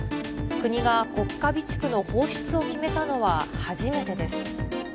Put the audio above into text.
国が国家備蓄の放出を決めたのは初めてです。